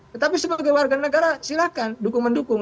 tetapi sebagai warga negara silakan dukung mendukung